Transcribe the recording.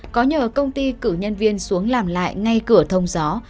có nhờ công ty cử nhân viên xuống làm lại ngay cửa thông gió